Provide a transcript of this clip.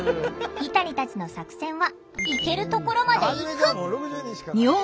イタニたちの作戦は「行けるところまで行く」。